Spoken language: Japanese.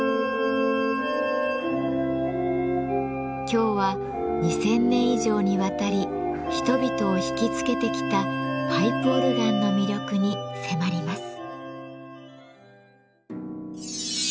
今日は２，０００年以上にわたり人々を引きつけてきたパイプオルガンの魅力に迫ります。